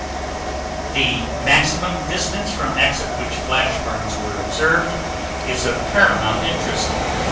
The maximum distance from X at which flash burns were observed is of paramount interest.